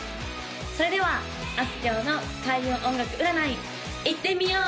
それではあすきょうの開運音楽占いいってみよう！